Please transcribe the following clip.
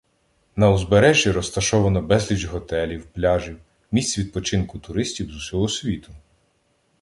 На узбережжі розташовано безліч готелів, пляжів, місць відпочинку туристів з усього світу.